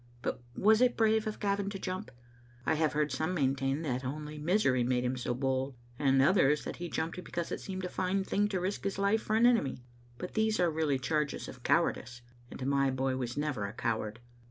But was it brave of Gavin to jump? I have heard some maintain that only misery made him so bold, and others that he jumped because it seemed a fine thing to risk his life for an enemy. But these are really charges of cowardice, and my boy was never a coward.